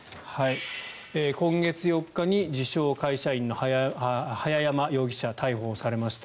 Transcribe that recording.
今月４日に自称・会社員の早山容疑者が逮捕されました。